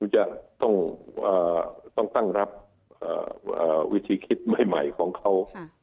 จะต้องตั้งรับวิธีคิดใหม่ของเขา